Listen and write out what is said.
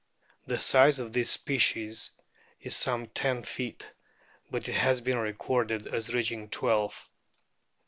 The size of this species is some ten feet, but it has been recorded as reaching twelve.